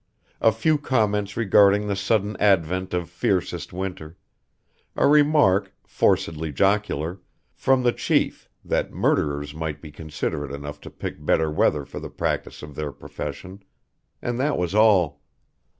A few comments regarding the sudden advent of fiercest winter; a remark, forcedly jocular, from the chief, that murderers might be considerate enough to pick better weather for the practice of their profession and that was all.